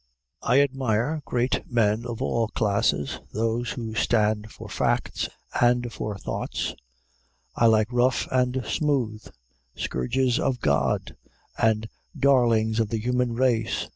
I admire great men of all classes, those who stand for facts and for thoughts; I like rough and smooth, "scourges of God" and "darlings of the human race."